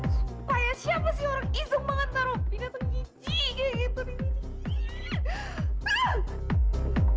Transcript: supaya siapa sih orang giseng banget taruh binatang gizi kayak gitu nih